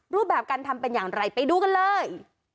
รูปแบบการทำเป็นอย่างไรไปดูกันเลย